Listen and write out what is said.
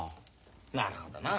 なるほどな。